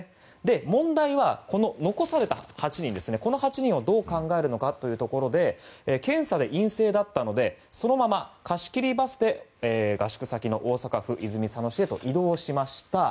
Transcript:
問題はこの残された８人この８人をどう考えるかというところで検査で陰性だったのでそのまま貸し切りバスで合宿先の大阪府泉佐野市へと移動しました。